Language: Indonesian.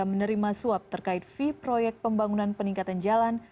menerima suap terkait v proyek pembangunan peningkatan jalan